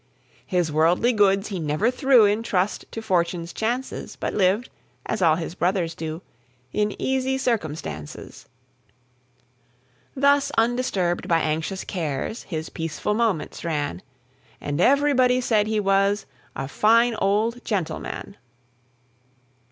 His worldly goods he never threw In trust to fortune's chances, But lived (as all his brothers do) In easy circumstances. Thus undisturbed by anxious cares His peaceful moments ran; And everybody said he was A fine old gentleman.